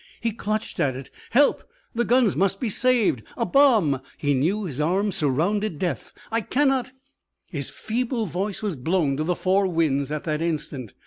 He clutched at it. "Help! The guns must be saved. A bomb!" He knew his arms surrounded death. "I cannot " His feeble voice was blown to the four winds at that instant.